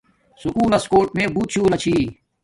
سکول لس کوٹ میے بوت شُولہ چھی